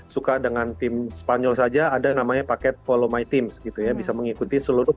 suka dengan tim spanyol saja ada namanya paket follow my teams gitu ya bisa mengikuti seluruh